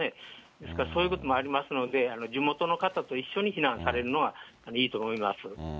ですから、そういうこともありますので、地元の方と一緒に避難されるのがいいと思います。